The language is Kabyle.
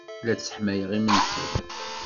La d-sseḥmayeɣ imensi.